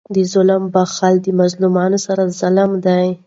د ظالم بخښل د مظلومانو سره ظلم دئ.